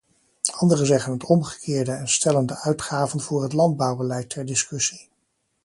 Anderen zeggen het omgekeerde, en stellen de uitgaven voor het landbouwbeleid ter discussie.